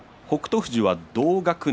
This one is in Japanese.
富士は同学年。